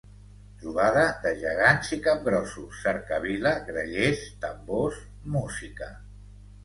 Trobada de gegants i capgrossos, cercavila, grallers, tambors, música.